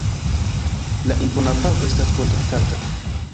La impona parko estas protektata.